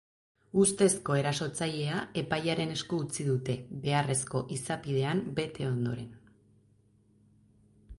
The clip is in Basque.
Ustezko erasotzailea epailearen esku utzi dute beharrezko izapidean bete ondoren.